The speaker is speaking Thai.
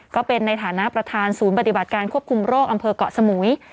ก็เป็นในฐานะประธานศูนย์ปฏิบัติการควบคุมโรคอำเภอกเกาะสมุย